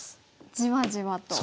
じわじわと。